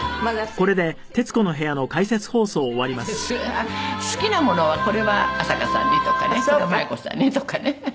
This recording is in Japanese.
あっ好きなものはこれはアサカさんにとかねこれマユコさんにとかね。